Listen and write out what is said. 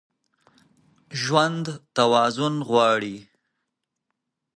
ژوند توازن غواړي.